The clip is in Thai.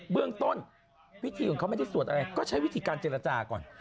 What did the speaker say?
เบื้องต้นวิธีของเขาไม่ได้สวดอะไรก็ใช้วิธีการเจรจาก่อน